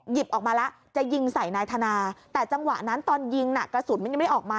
หยิบออกมาแล้วจะยิงใส่นายธนาแต่จังหวะนั้นตอนยิงน่ะกระสุนมันยังไม่ออกมา